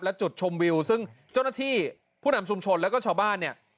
และจุดชมวิวซึ่งเจ้าหน้าที่ผู้นำชุมชนแล้วก็ชาวบ้านเนี่ย